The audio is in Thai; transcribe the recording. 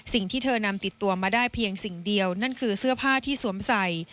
สิ่งที่เธอนำติดตัวมาได้เพียงสิ่งเดียวนั่นคือเสื้อผ้าที่สวมใส่